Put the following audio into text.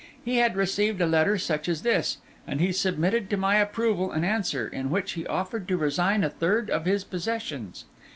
He had received a letter such as this; and he submitted to my approval an answer, in which he offered to resign a third of his possessions.